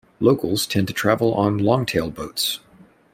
Locals tend to travel on longtail boats.